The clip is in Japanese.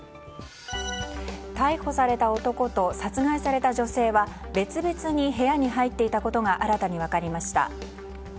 逮捕された男と殺害された女性は別々に部屋に入っていたことが新たに分かりました。